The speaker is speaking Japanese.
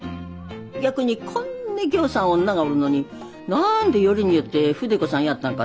逆にこんなぎょうさん女がおるのに何でよりによって筆子さんやったんかってそう思うんやさ。